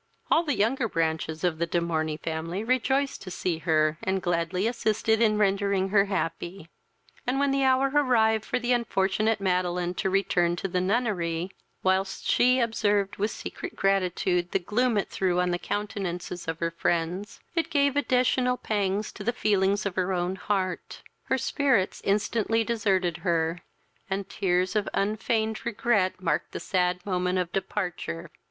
All the younger branches of the De Morney family rejoiced to see her, and gladly assisted in rendering her happy; and when the hour arrived for the unfortunate Madeline to return to the nunnery, whilst she observed with secret gratitude the gloom it threw on the countenances of her friends, it gave additional pangs to the feelings of her own heart; her spirits instantly deserted her, and tears of unfeigned regret marked the sad moment of departure.